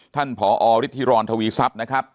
ท่านผอฤิษฐีรรณทวีซัพนะครับ